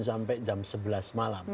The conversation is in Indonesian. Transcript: sampai jam sebelas malam